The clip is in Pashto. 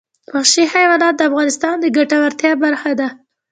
وحشي حیوانات د افغانانو د ګټورتیا برخه ده.